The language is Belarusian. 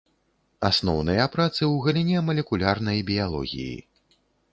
Асноўныя працы ў галіне малекулярнай біялогіі.